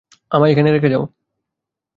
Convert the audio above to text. আমায় এখানে রেখে যাও।